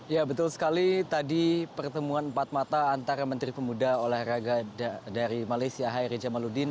ya betul sekali tadi pertemuan empat mata antara menteri pemuda olahraga dari malaysia hairi jamaludin